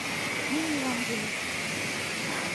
Ну, евангелист!